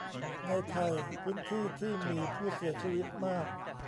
ในไทยพื้นที่ที่มีผู้เสียชีวิตมาก